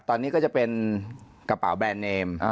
ตอนนี้ก็จะเป็นกระเป๋าแบรนด์เนม